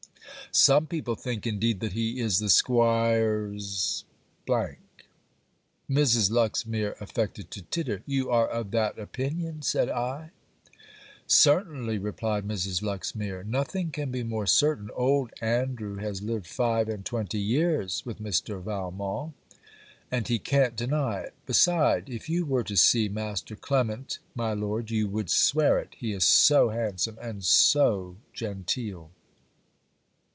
Some people think, indeed, that he is the 'Squire's .' Mrs. Luxmere affected to titter. 'You are of that opinion?' said I. 'Certainly,' replied Mrs. Luxmere. 'Nothing can be more certain. Old Andrew has lived five and twenty years with Mr. Valmont; and he can't deny it. Beside, if you were to see Master Clement, my Lord, you would swear it. He is so handsome and so genteel!'